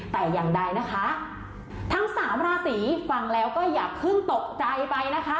แต่อย่างใดนะคะทั้งสามราศีฟังแล้วก็อย่าเพิ่งตกใจไปนะคะ